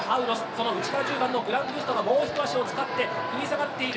その内から１０番のグラングストがもう一脚を使って食い下がっている。